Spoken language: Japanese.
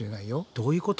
どういうこと？